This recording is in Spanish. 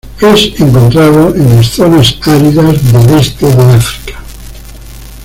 Es encontrado en las zonas áridas del este de África.